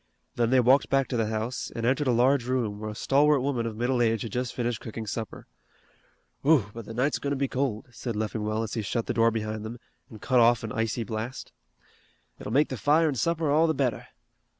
Then they walked back to the house, and entered a large room, where a stalwart woman of middle age had just finished cooking supper. "Whew, but the night's goin' to be cold," said Leffingwell, as he shut the door behind them, and cut off an icy blast. "It'll make the fire an' supper all the better.